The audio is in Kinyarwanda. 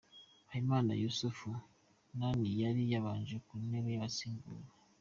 Habimana Yussuf Nani yari yabanje ku ntebe y'abasimbura .